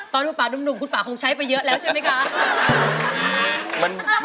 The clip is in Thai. คุณป่านุ่มคุณป่าคงใช้ไปเยอะแล้วใช่ไหมคะ